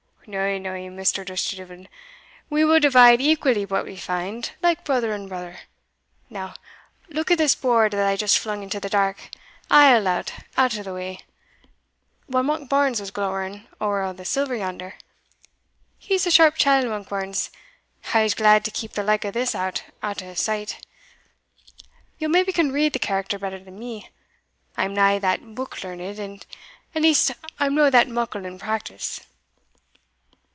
"No, no, Mr. Dusterdeevil, we will divide equally what we find, like brother and brother. Now, look at this board that I just flung into the dark aisle out o' the way, while Monkbarns was glowering ower a' the silver yonder. He's a sharp chiel Monkbarns I was glad to keep the like o' this out o' his sight. Ye'll maybe can read the character better than me I am nae that book learned, at least I'm no that muckle in practice."